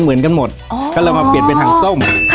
เพราะเลยให้เป็นถังส้ม